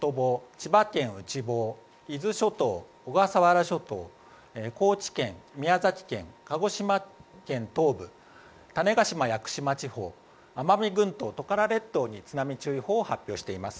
千葉県内房伊豆諸島、小笠原諸島高知県、宮崎県、鹿児島県東部種子島・屋久島地方奄美群島、トカラ列島に津波注意報を発表しています。